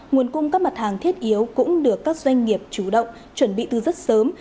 nguồn cung các mặt hàng thiết yếu cũng được các doanh nghiệp chủ động chuẩn bị từ rất sớm